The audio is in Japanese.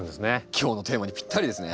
今日のテーマにぴったりですね。